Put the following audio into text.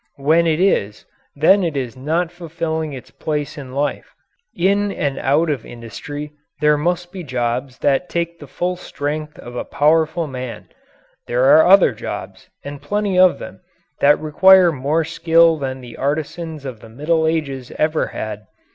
When it is, then it is not fulfilling its place in life. In and out of industry there must be jobs that take the full strength of a powerful man; there are other jobs, and plenty of them, that require more skill than the artisans of the Middle Ages ever had.